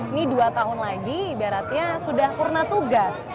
ini dua tahun lagi berarti sudah kurna tugas